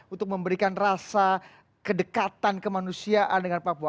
untuk memberikan rasa kedekatan kemanusiaan dengan papua